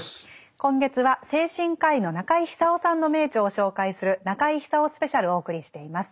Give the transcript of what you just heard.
今月は精神科医の中井久夫さんの名著を紹介する「中井久夫スペシャル」をお送りしています。